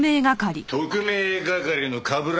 特命係の冠城亘。